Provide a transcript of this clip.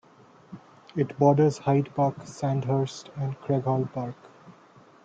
It borders Hyde Park, Sandhurst, and Craighall Park.